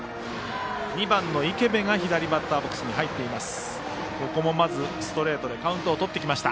２番、池邉が左バッターボックスに入りました。